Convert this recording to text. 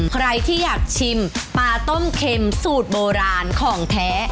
ใครที่อยากชิมปลาต้มเค็มสูตรโบราณของแท้